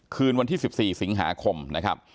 คืนวันที่๑๔สิงหาคมนะครับ